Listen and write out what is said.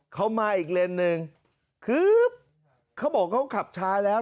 เขามาอีกเลนส์หนึ่งคือเขาบอกเขาขับช้าแล้ว